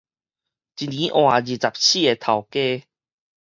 一年換二十四个頭家